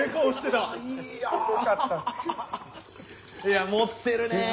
いや持ってるねえ。